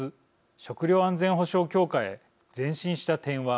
食料安全保障強化へ前進した点は。